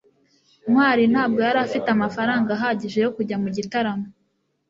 ntwali ntabwo yari afite amafaranga ahagije yo kujya mu gitaramo